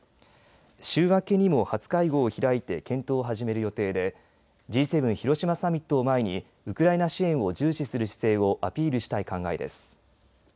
週明けにも初会合を開いて検討を始める予定でＧ７広島サミットを前にウクライナ支援を重視する姿勢をアピールしたい考えです。